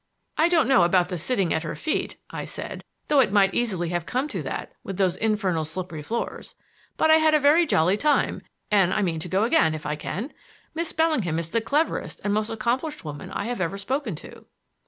"I don't know about sitting at her feet," I said, "though it might easily have come to that with those infernal slippery floors; but I had a very jolly time, and I mean to go again if I can. Miss Bellingham is the cleverest and most accomplished woman I have ever spoken to."